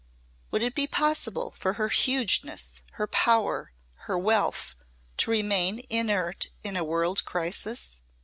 Would it be possible for her hugeness, her power, her wealth to remain inert in a world crisis?